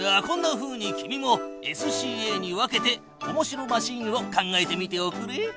こんなふうに君もＳＣＡに分けておもしろマシーンを考えてみておくれ。